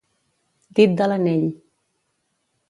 Dit de l'anell.